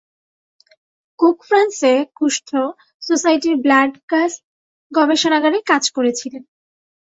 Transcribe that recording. Cook ফ্রান্সে কুষ্ঠ সোসাইটির ব্লাড-গাস গবেষণাগারে কাজ করেছিলেন।